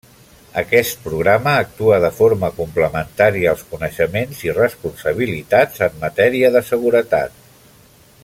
Aquest programa actua de forma complementària als coneixements i responsabilitats en matèria de Seguretat.